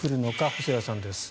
細谷さんです。